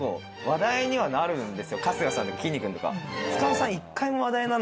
春日さんとかきんに君とか。